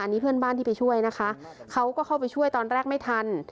นี่เพื่อนบ้านที่ไปช่วยนะคะเขาก็เข้าไปช่วยตอนแรกไม่ทัน